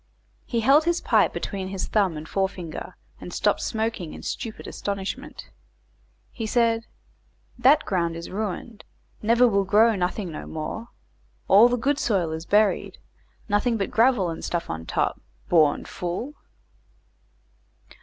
He held his pipe between his thumb and forefinger, and stopped smoking in stupid astonishment. He said "That ground is ruined, never will grow nothing no more; all the good soil is buried; nothing but gravel and stuff on top; born fool."